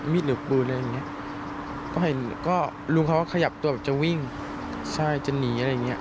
มีดหรือปืนอะไรอย่างนี้ก็เห็นลุงเขาก็ขยับตัวจะวิ่งจะหนีอะไรอย่างนี้